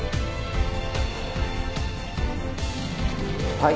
はい。